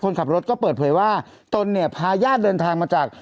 คนขับรถก็เปิดเผยว่าตนเนี่ยพาญาติเดินทางมาจาก